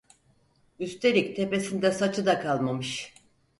Üstelik tepesinde saçı da kalmamış.